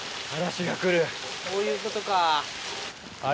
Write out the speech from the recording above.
こういうことか。